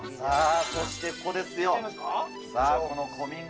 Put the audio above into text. そしてここですよ。